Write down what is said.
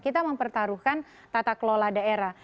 kita mempertaruhkan tata kelola daerah